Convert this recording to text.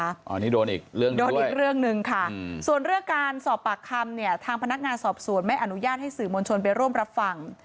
อันนี้โดนอีกเรื่องหนึ่งโดนอีกเรื่องหนึ่งค่ะส่วนเรื่องการสอบปากคำเนี่ยทางพนักงานสอบสวนไม่อนุญาตให้สื่อมวลชนไปร่วมรับฟัง